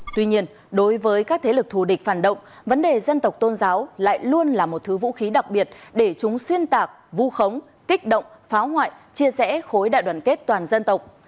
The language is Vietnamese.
tuy nhiên đối với các thế lực thù địch phản động vấn đề dân tộc tôn giáo lại luôn là một thứ vũ khí đặc biệt để chúng xuyên tạc vu khống kích động phá hoại chia rẽ khối đại đoàn kết toàn dân tộc